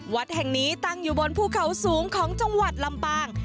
วัดแห่งนี้ตั้งอยู่บนภูเขาสูงของจังหวัดลำปาง